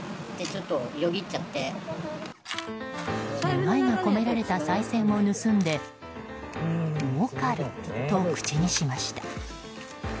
願いが込められたさい銭を盗んでもうかると口にしました。